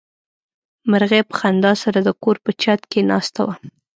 مرغۍ په خندا سره د کور په چت کې ناسته وه.